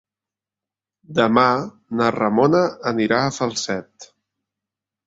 Demà na Ramona anirà a Falset.